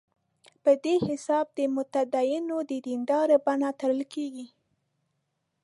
په دې حساب د متدینو د دیندارۍ بڼه تړل کېږي.